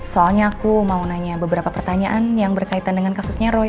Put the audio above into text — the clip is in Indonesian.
soalnya aku mau nanya beberapa pertanyaan yang berkaitan dengan kasusnya roy